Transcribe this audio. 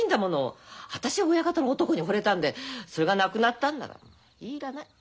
私は親方の「男」にほれたんでそれがなくなったんならいらない。